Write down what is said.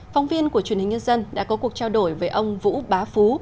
phóng viên của truyền hình nhân dân đã có cuộc trao đổi với ông vũ bá phú